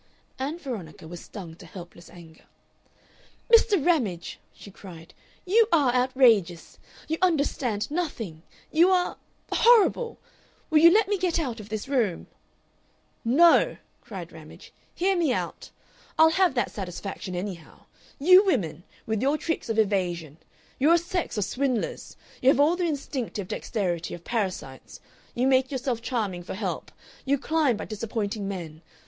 Ann Veronica was stung to helpless anger. "Mr. Ramage," she cried, "you are outrageous! You understand nothing. You are horrible. Will you let me go out of this room?" "No," cried Ramage; "hear me out! I'll have that satisfaction, anyhow. You women, with your tricks of evasion, you're a sex of swindlers. You have all the instinctive dexterity of parasites. You make yourself charming for help. You climb by disappointing men.